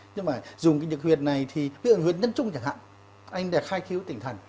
nhưng mà dùng cái nhược huyệt này thì ví dụ huyệt nhân trung chẳng hạn anh đã khai cứu tỉnh thần